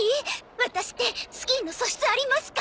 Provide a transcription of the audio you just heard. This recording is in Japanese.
ワタシってスキーの素質ありますか？